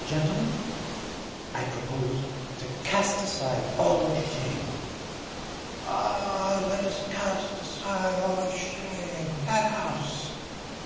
Gentlemen! I propose to cast aside all shame." "Ah, let us cast aside all shame, let us!"